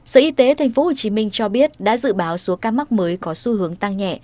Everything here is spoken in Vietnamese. sở y tế tp hcm cho biết đã dự báo số ca mắc mới có xu hướng tăng nhẹ